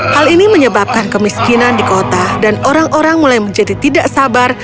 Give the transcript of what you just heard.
hal ini menyebabkan kemiskinan di kota dan orang orang mulai menjadi tidak sabar